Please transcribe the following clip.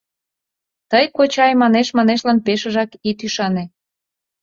Тый, кочай, манеш-манешлан пешыжак ит ӱшане.